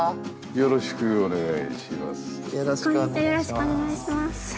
よろしくお願いします。